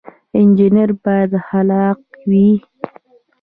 انجنیر باید خلاق وي